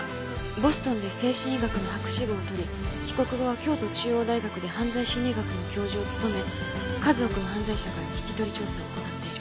ボストンで精神医学の博士号を取り帰国後は京都中央大学で犯罪心理学の教授を務め数多くの犯罪者から聞き取り調査を行っている。